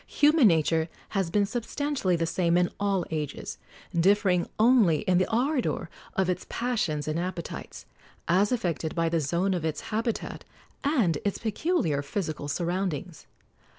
Human nature has been substantially the same in all ages, differing only in the ardor of its passions and appetites, as affected by the zone of its habitat and its peculiar physical surroundings.